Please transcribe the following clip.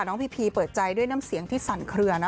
พีพีเปิดใจด้วยน้ำเสียงที่สั่นเคลือนะ